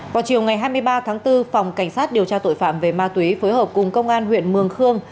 vào chiều ngày hai mươi ba tháng bốn phòng cảnh sát điều tra tội phạm về ma túy phối hợp cùng công an huyện mường khương